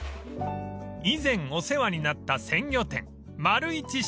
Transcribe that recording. ［以前お世話になった鮮魚店］